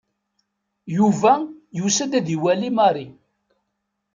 Yuba yusa-d ad iwali Mary.